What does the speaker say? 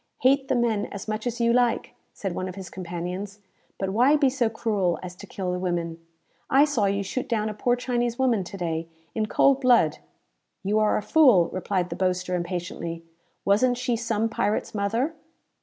"Hate the men as much as you like," said one of his companions, "but why be so cruel as to kill the women? I saw you shoot down a poor Chinese woman to day, in cold blood!" "You are a fool!" replied the boaster, impatiently. "Wasn't she some pirate's mother?"